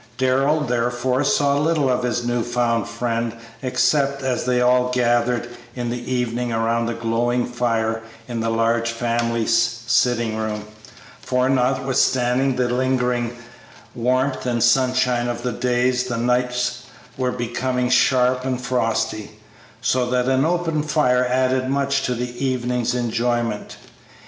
Darrell, therefore, saw little of his new found friend except as they all gathered in the evening around the glowing fire in the large family sitting room, for, notwithstanding the lingering warmth and sunshine of the days, the nights were becoming sharp and frosty, so that an open fire added much to the evening's enjoyment.